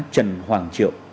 trần hoàng triệu